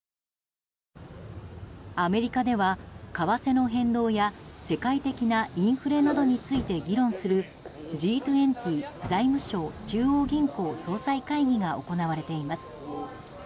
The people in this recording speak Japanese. アメリカでは、為替の変動や世界的なインフレなどについて議論するＧ２０・財務相・中央銀行総裁会議が行われています。